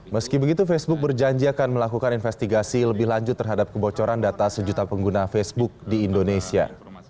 meski begitu facebook berjanji akan melakukan investigasi lebih lanjut terhadap kebocoran data sejuta pengguna facebook di indonesia